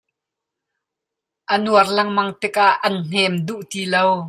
A nuar lengmang tikah an hnem duh ti lo.